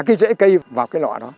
đưa cái rễ cây vào cái lọ đó